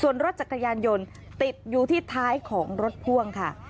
ส่วนรถจักรยานยนต์ติดอยู่ที่ท้ายของรถพ่วงค่ะ